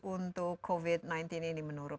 untuk covid sembilan belas ini menurut